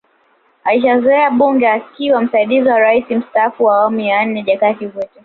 Alishalizoea bunge akiwa msaidizi wa raisi mstaafu wa awamu ya nne Jakaya Kikwete